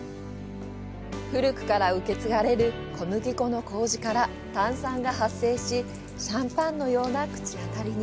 古くから受け継がれる小麦粉の麹から炭酸が発生しシャンパンのような口当たりに。